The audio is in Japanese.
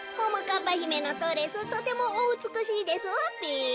かっぱひめのドレスとてもおうつくしいですわべ。